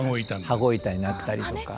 羽子板になったりとか。